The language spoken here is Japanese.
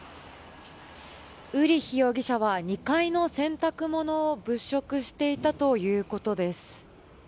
ウーリッヒ容疑者は、２階の洗濯物を物色していたということです。